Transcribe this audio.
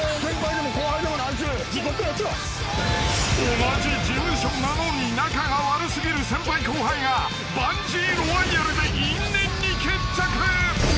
［同じ事務所なのに仲が悪過ぎる先輩後輩がバンジー・ロワイアルで因縁に決着］